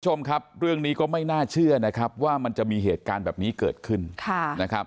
คุณผู้ชมครับเรื่องนี้ก็ไม่น่าเชื่อนะครับว่ามันจะมีเหตุการณ์แบบนี้เกิดขึ้นค่ะนะครับ